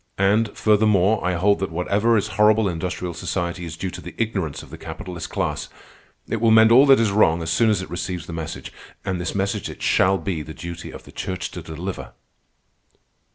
And, furthermore, I hold that whatever is horrible in industrial society is due to the ignorance of the capitalist class. It will mend all that is wrong as soon as it receives the message. And this message it shall be the duty of the Church to deliver."